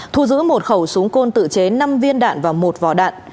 thu giữ một khẩu súng côn tự chế năm viên đạn và một vỏ đạn